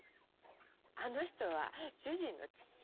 あの人は主人の父よ。